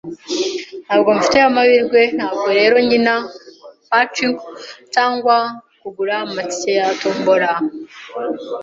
Ntabwo mfite amahirwe, ntabwo rero nkina pachinko cyangwa kugura amatike ya tombola.